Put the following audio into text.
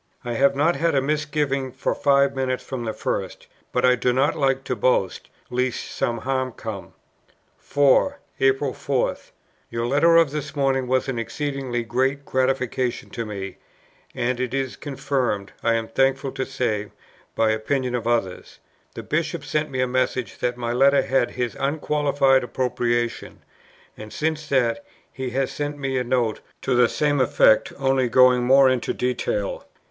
"I have not had a misgiving for five minutes from the first: but I do not like to boast, lest some harm come." 4. April 4. "Your letter of this morning was an exceedingly great gratification to me; and it is confirmed, I am thankful to say, by the opinion of others. The Bishop sent me a message that my Letter had his unqualified approbation; and since that, he has sent me a note to the same effect, only going more into detail.